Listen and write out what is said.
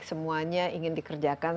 semuanya ingin dikerjakan